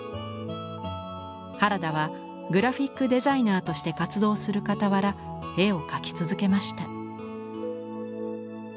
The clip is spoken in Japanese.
原田はグラフィックデザイナーとして活動するかたわら絵を描き続けました。